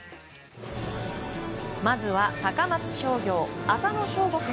まずは高松商業、浅野翔吾君。